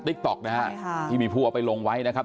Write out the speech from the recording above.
ต๊อกนะฮะใช่ค่ะที่มีผู้เอาไปลงไว้นะครับ